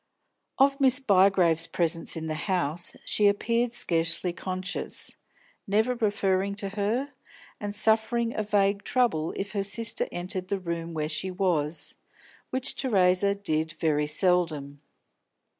Of Miss Bygrave's presence in the house she appeared scarcely conscious, never referring to her, and suffering a vague trouble if her sister entered the room where she was, which Theresa did very seldom.